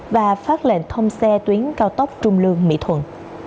và phát lệnh thông xe tuyến cao tốc trung lương mỹ thuận